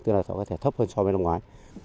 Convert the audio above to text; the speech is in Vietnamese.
tức là sẽ có thể thấp hơn so với năm ngoái